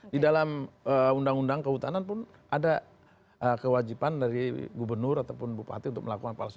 di dalam undang undang kehutanan pun ada kewajiban dari gubernur ataupun bupati untuk melakukan palsu